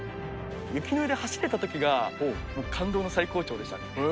雪の上走れたときが、もう感動の最高潮でしたね。